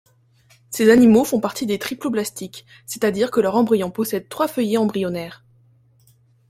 Ces animaux font partie des triploblastiques, c'est-à-dire que leur embryon possède trois feuillets embryonnaires.